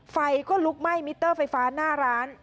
ไฟก็ลุกไหม้มิเตอร์ไฟฟ้าหน้าร้าน